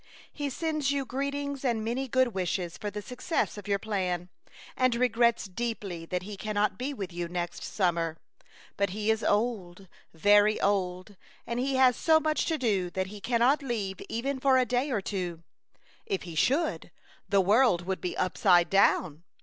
He sends you greetings and many good wishes for the success of your plan, and regrets deeply that he can not be with you next summer; but he is old, very old, and he has so much to do that he cannot leave even for a day or two. If he should, the world would be upside down.